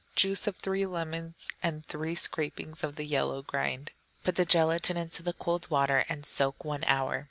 Juice of three lemons, and three scrapings of the yellow rind. Put the gelatine into the cold water and soak one hour.